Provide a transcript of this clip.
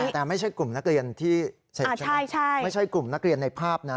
แต่ไม่ใช่กลุ่มนักเรียนที่เสียชีวิตไม่ใช่กลุ่มนักเรียนในภาพนะ